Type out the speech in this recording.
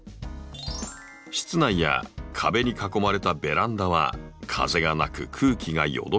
室内や壁に囲まれたベランダは風がなく空気がよどみがち。